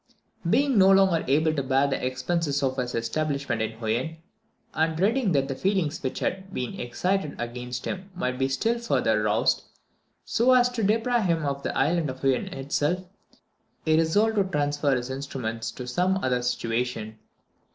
Being no longer able to bear the expenses of his establishment in Huen, and dreading that the feelings which had been excited against him might be still further roused, so as to deprive him of the Island of Huen itself, he resolved to transfer his instruments to some other situation.